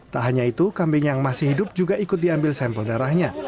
tak hanya itu kambing yang masih hidup juga ikut diambil sampel darahnya